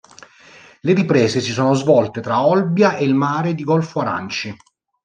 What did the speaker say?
Le riprese si sono svolte tra Olbia e il mare di Golfo Aranci.